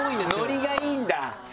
ノリがいいんだ。